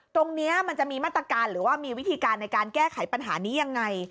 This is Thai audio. ตรงนี้มันจะมีมาตรการหรือว่ามีวิธีการในการแก้ไขปัญหานี้ยังไง